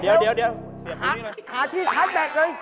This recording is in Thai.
เสียหาที่อีกเลยหาที่ชัดแบตเลย